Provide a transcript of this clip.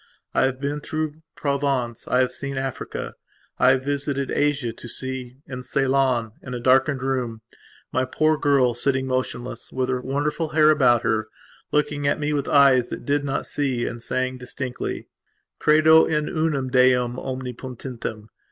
I have been through Provence; I have seen Africa; I have visited Asia to see, in Ceylon, in a darkened room, my poor girl, sitting motionless, with her wonderful hair about her, looking at me with eyes that did not see me, and saying distinctly: "Credo in unum Deum omnipotentem....